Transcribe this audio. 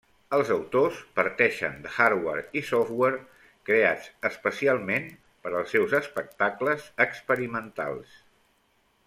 Els autors parteixen de hardware i software creats especialment per als seus espectacles experimentals.